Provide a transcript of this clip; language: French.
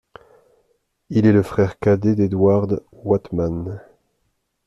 Il est le frère cadet d'Edward Oatman.